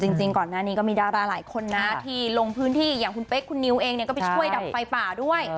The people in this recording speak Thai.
จริงก่อนหน้านี้ก็มีดาราหลายคนนะที่ลงพื้นที่อย่างคุณเป๊กคุณนิวเองก็ไปช่วยดับไฟป่าด้วย